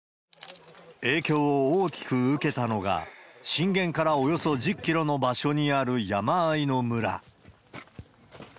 影響を大きく受けたのが、震源からおよそ１０キロの場所にある山あいの村。